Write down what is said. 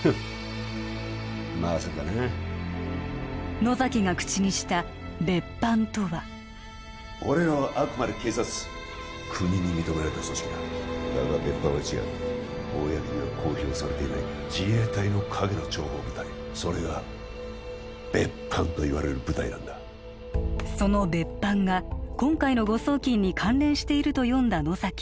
まさかな野崎が口にした別班とは俺らはあくまで警察国に認められた組織だだが別班は違う公には公表されていない自衛隊の陰の諜報部隊それが別班といわれる部隊なんだその別班が今回の誤送金に関連していると読んだ野崎